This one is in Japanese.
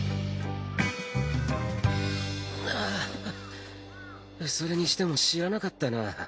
はぁそれにしても知らなかったな。